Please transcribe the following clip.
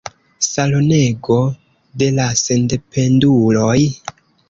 Salonego de la sendependuloj.